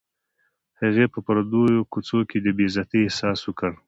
هغې په پردیو کوڅو کې د بې عزتۍ احساس وکړ